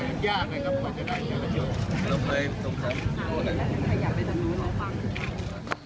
แล้วไปตรงนั้น